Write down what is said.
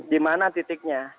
di mana titiknya